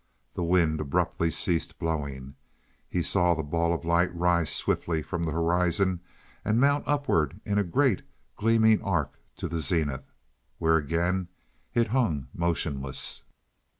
The wind abruptly ceased blowing. He saw the ball of light rise swiftly from the horizon and mount upward in a great, gleaming arc to the zenith, where again it hung motionless.